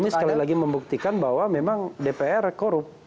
dan ini sekali lagi membuktikan bahwa memang dpr korup